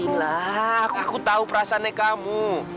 nah aku tahu perasaannya kamu